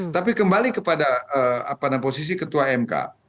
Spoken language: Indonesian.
tapi kembali kepada posisi ketua mk